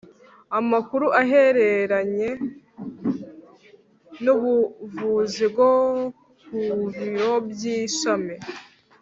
Amakuru Ahereranye n Ubuvuzi rwo ku biro by ishami